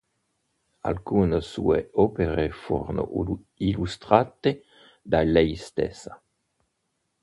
Alcune sue opere furono illustrate da lei stessa.